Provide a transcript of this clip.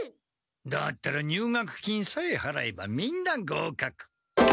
だったら入学金さえはらえばみんなごうかく。